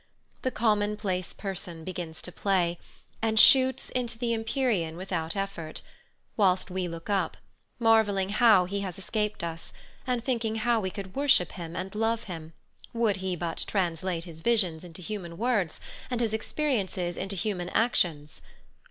The commonplace person begins to play, and shoots into the empyrean without effort, whilst we look up, marvelling how he has escaped us, and thinking how we could worship him and love him, would he but translate his visions into human words, and his experiences into human actions.